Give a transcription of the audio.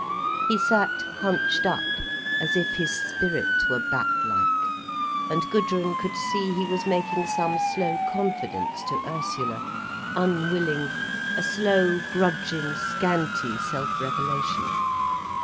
He sat hunched up, as if his spirit were bat like. And Gudrun could see he was making some slow confidence to Ursula, unwilling, a slow, grudging, scanty self revelation.